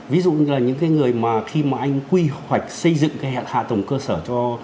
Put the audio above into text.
ví dụ là những cái người mà khi mà anh quy hoạch xây dựng cái hẹn hạ tổng cơ sở